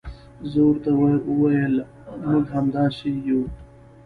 زه ورته وویل موږ هم همداسې یو.